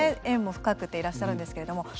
縁も深くていらっしゃるんですけれども。